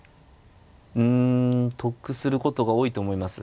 うん得することが多いと思います。